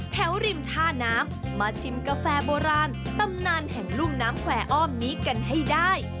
ริมท่าน้ำมาชิมกาแฟโบราณตำนานแห่งรุ่มน้ำแขว่อมนี้กันให้ได้